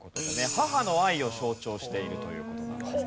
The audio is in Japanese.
母の愛を象徴しているという事なんです。